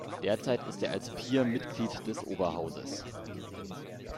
Derzeit ist er als Peer Mitglied des Oberhauses.